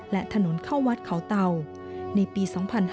และถนนเข้าวัดเขาเตาในปี๒๕๕๙